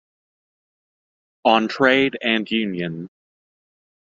On trade and union.